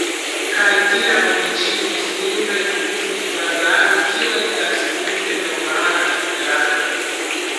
Kaj tiam ni ĉiuj simple uzu kvazaŭ tio estas tute normala Esperanto.